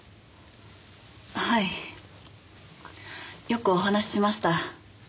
よくお話ししました。